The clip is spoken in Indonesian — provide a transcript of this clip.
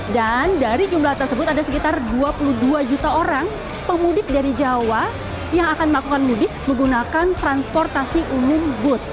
dari jumlah tersebut ada sekitar dua puluh dua juta orang pemudik dari jawa yang akan melakukan mudik menggunakan transportasi umum bud